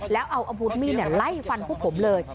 แล้วเอาอาวุธมีดไล่ฟันพวกผมเลย